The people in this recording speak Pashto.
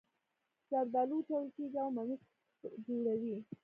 زردالو وچول کیږي او ممیز جوړوي